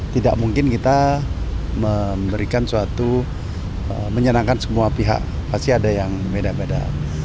tidak mungkin kita memberikan suatu menyenangkan semua pihak pasti ada yang beda beda